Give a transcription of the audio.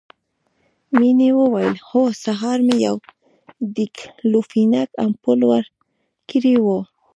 مينې وويل هو سهار مې يو ډيکلوفينک امپول ورکړى و.